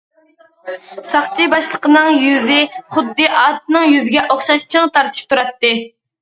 ساقچى باشلىقىنىڭ يۈزى خۇددى ئاتنىڭ يۈزىگە ئوخشاش چىڭ تارتىشىپ تۇراتتى.